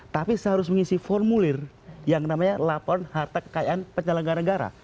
tapi saya harus mengisi formulir yang namanya laporan harta kekayaan penyelenggara negara